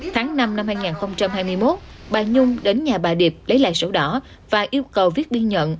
tháng năm năm hai nghìn hai mươi một bà nhung đến nhà bà điệp lấy lại sổ đỏ và yêu cầu viết biên nhận